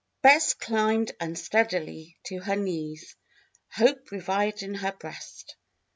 Bess climbed unsteadily to her knees. Hope revived in her breast.